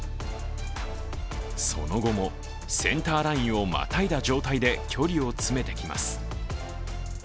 その後もセンターラインをまたいだ状態で距離を詰めてきます。